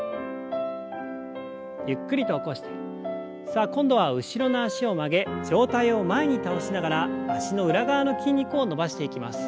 さあ今度は後ろの脚を曲げ上体を前に倒しながら脚の裏側の筋肉を伸ばしていきます。